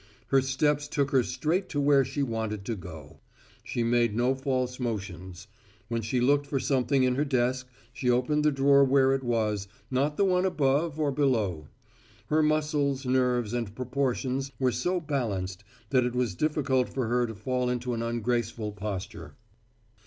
Her steps took her straight to where she wanted to go. She made no false motions. When she looked for something in her desk, she opened the drawer where it was, not the one above or below. Her muscles, nerves and proportions were so balanced that it was difficult for her to fall into an ungraceful posture.